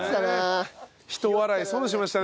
ひと笑い損しましたね。